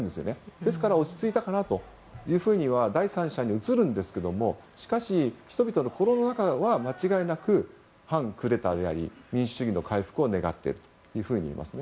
ですから、落ち着いたかなと第三者には映りますがしかし人々の心の中では間違いなく反クーデターであり民主主義の回復を願っていると思いますね。